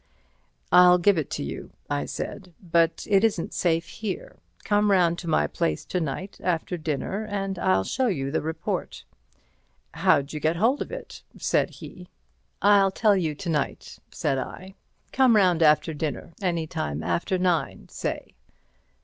"I'll give it to you," I said, "but it isn't safe here. Come round to my place to night after dinner, and I'll show you the report." "How d'you get hold of it?" said he. "I'll tell you to night," said I. "Come round after dinner—any time after nine, say."